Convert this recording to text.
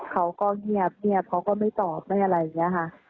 เขาก็เงียบเขาก็ไม่ตอบไม่อะไรอย่างนี้ค่ะ